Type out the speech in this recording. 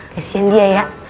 kasian dia ya